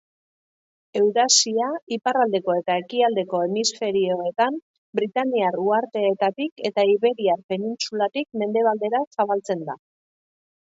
Eurasia iparraldeko eta ekialdeko hemisferioetan, Britainiar Uharteetatik eta Iberiar Penintsulatik mendebaldera zabaltzen da.